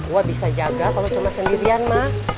wah bisa jaga kalau cuma sendirian mak